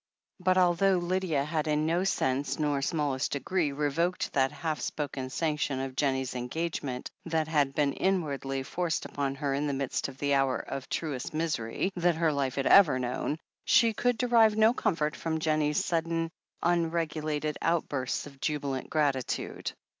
But although Lydia had in no sense nor smallest degree revoked that half spoken sanction of Jennie's engagement, that had been inwardly forced upon her in the midst of the hour of truest* misery that her life had ever known, she could derive no comfort from Jennie's sudden, unregulated outbursts of jubilant gi; atitude.